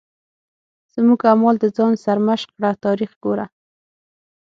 زموږ اعمال د ځان سرمشق کړه تاریخ ګوره.